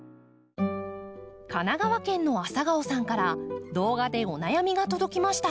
神奈川県のａｓａｇａｏさんから動画でお悩みが届きました。